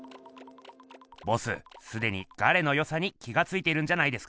ボスすでにガレのよさに気がついているんじゃないですか？